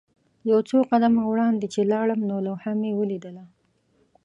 یو څو قدمه وړاندې چې لاړم نو لوحه مې ولیدله.